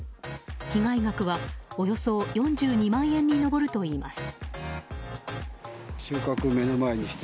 被害額はおよそ４２万円に上るといいます。